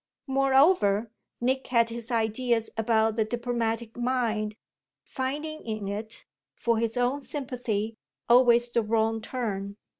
Moreover, Nick had his ideas about the diplomatic mind, finding in it, for his own sympathy, always the wrong turn.